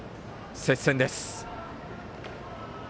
接戦です。